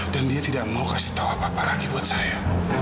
dan dia tidak mau kasih tahu apa apa lagi buat saya